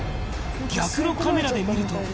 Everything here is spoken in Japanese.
逆のカメラで見ると。